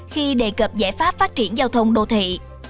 khi đề cập giải pháp phát triển giao thông đô thị